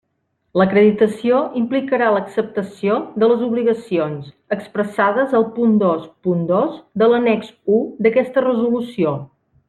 L'acreditació implicarà l'acceptació de les obligacions expressades al punt dos punt dos de l'annex u d'aquesta Resolució.